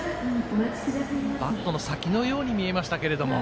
バットの先のように見えましたけども。